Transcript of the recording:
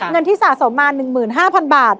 เงินที่สะสมมา๑๕๐๐๐บาท